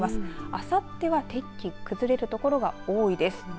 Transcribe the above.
あさっては天気崩れる所が多いです。